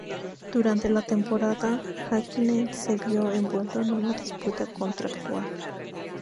Durante la temporada, Häkkinen se vio envuelto en una disputa contractual.